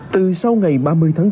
từ sau ngày ba mươi tháng bốn